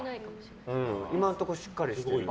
今のところしっかりしてる。